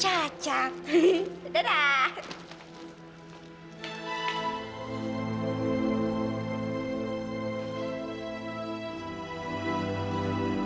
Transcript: aduh ya ampun